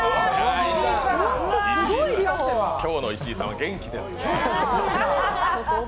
今日の石井さんは元気ですね。